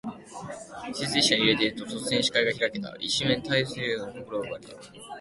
鈍行列車に揺られていると、突然、視界が開けた。一面の太平洋に心を奪われた。